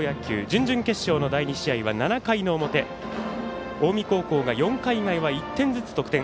準々決勝の第２試合は７回の表近江高校が４回以外は１点ずつ得点。